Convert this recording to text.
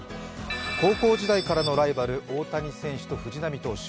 高校時代からのライバル、大谷選手と藤浪投手。